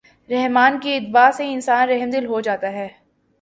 رحمٰن کی اتباع سے انسان رحمدل ہو جاتا ہے۔